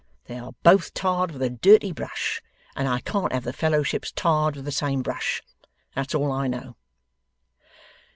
They are both tarred with a dirty brush, and I can't have the Fellowships tarred with the same brush. That's all I know.